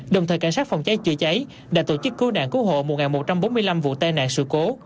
đồng thời cảnh sát phòng cháy chữa cháy đã tổ chức cứu nạn cứu hộ một một trăm bốn mươi năm vụ tai nạn sự cố